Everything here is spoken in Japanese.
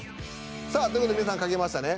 さあという事で皆さん書けましたね。